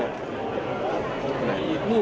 นี่แขมหน่อย